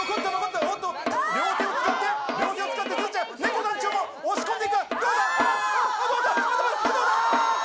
両手を使って、ねこ団長も押し込んでいく！